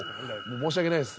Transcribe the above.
申し訳ないです